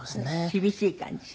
厳しい感じ？